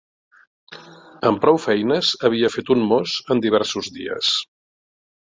Amb prou feines havia fet un mos en diversos dies.